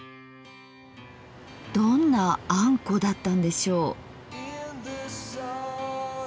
どんなあんこだったんでしょう？